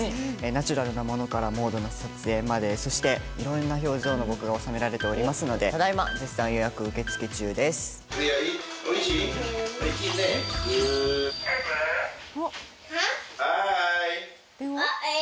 ナチュラルなものからモードな撮影まで、そしていろいろな表情の僕が収められていますので、ただいま、リア、おいしい？